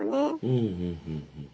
うんうんうんうん。